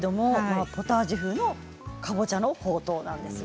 ポタージュ風のかぼちゃのほうとうなんですね。